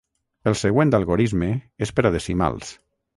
El següent algorisme és per a decimals.